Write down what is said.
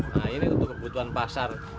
nah ini untuk kebutuhan pasar